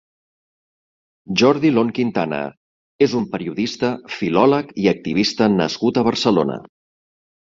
Jordi Lon Quintana és un periodista, filòleg i activista nascut a Barcelona.